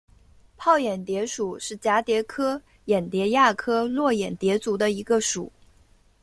泡眼蝶属是蛱蝶科眼蝶亚科络眼蝶族中的一个属。